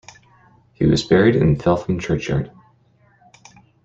He was buried in Felpham churchyard.